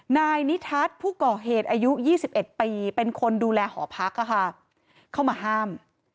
นายนิทัศน์ผู้ก่อเหตุอายุ๒๑ปีเป็นคนดูแลหอพักเข้ามาห้าม